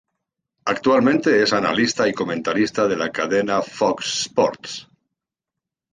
Actualmente es analista y comentarista de la cadena Fox Sports.